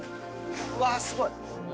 うわー、すごい。